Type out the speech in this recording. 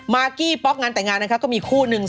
มากี้พ็อกของคุณเมื่อกุขาของคุณก็คู่หนึ่ง